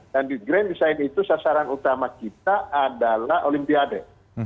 di grand design itu sasaran utama kita adalah olimpiade